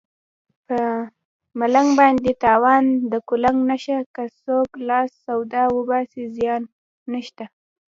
په ملنګ باندې تاوان د قلنګ نشته که څوک لاس سوده وباسي زیان نشته